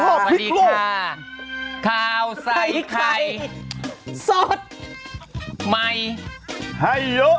สวัสดีค่ะสวัสดีค่ะข่าวใส่ไข่สดใหม่ไฮโย